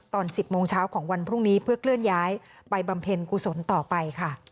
ตอน๑๐โมงเช้าของวันพรุ่งนี้เพื่อเคลื่อนย้ายไปบำเพ็ญกุศลต่อไปค่ะ